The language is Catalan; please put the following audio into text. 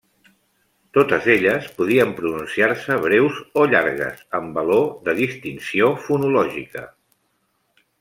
Totes elles podien pronunciar-se breus o llargues amb valor de distinció fonològica.